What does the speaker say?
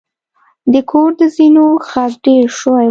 د کور د زینو غږ ډیر شوی و.